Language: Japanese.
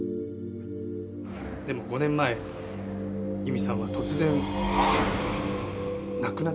でも５年前佑美さんは突然亡くなってしまった。